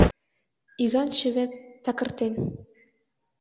Иган чывет такыртен.